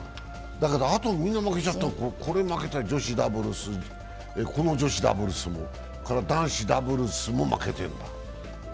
でもあとは全部負けた、これ負けた、女子ダブルスここの女子ダブルスも、それから男子ダブルスも負けてんだ。